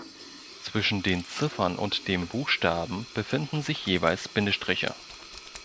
Zwischen den Ziffern und dem Buchstaben befinden sich jeweils Bindestriche.